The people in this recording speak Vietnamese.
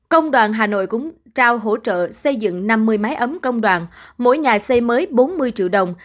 công đoàn hà nội cũng trao hỗ trợ xây dựng năm mươi máy ấm công đoàn mỗi nhà xây mới bốn mươi triệu đồng